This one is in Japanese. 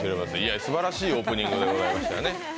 すばらしいオープニングでございましたね。